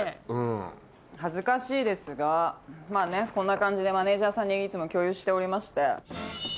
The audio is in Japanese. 恥ずかしいですがまぁねこんな感じでマネジャーさんにいつも共有しておりまして。